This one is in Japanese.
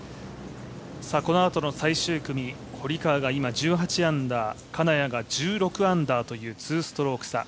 このあとの最終組、堀川が今１８アンダー、金谷が１６アンダーという２ストローク差。